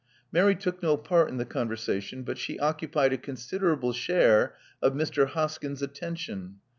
Mary took no part in the conversation; but she occupied a considerable share of Mr. Hoskyn's atten tion.